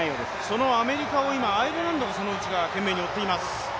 そのアメリカをアイルランドが懸命に追っています。